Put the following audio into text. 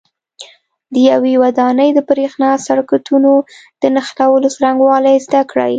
د یوې ودانۍ د برېښنا د سرکټونو د نښلولو څرنګوالي زده کړئ.